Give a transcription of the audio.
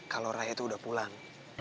kalo raya tuh udah pulang